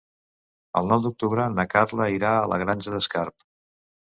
El nou d'octubre na Carla irà a la Granja d'Escarp.